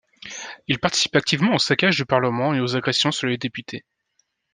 Il participe activement au saccage du parlement et aux agressions sur les députés.